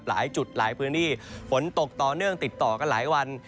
หลายจุดหลายพื้นที่ฝนตกต่อเนื่องติดต่อกันหลายวัน